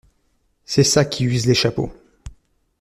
C’est ça qui use les chapeaux.